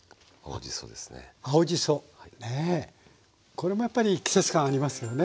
これもやっぱり季節感ありますよね。